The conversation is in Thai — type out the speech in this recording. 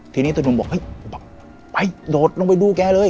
ทีนี้ตัวหนุ่มบอกเฮ้ยไปโดดลงไปดูแกเลย